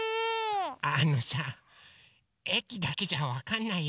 あのさえきだけじゃわかんないよ。